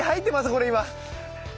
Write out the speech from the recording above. これ今。